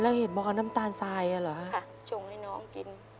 แล้วเห็นบอกน้ำตาลซายน่ะเหรอค่ะค่ะชงให้น้องกิน